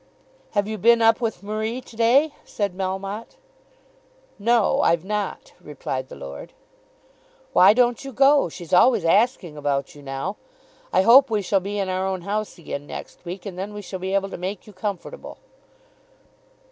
"Have you been up with Marie to day?" said Melmotte. "No; I've not," replied the lord. "Why don't you go? She's always asking about you now. I hope we shall be in our own house again next week, and then we shall be able to make you comfortable."